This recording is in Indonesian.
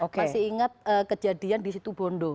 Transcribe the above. masih ingat kejadian di situ bondo